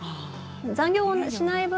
残業しない分